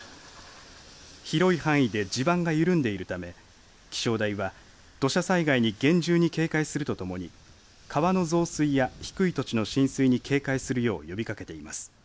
広い範囲で地盤が緩んでいるため気象台は土砂災害に厳重に警戒するとともに川の増水や低い土地の浸水に警戒するよう呼びかけています。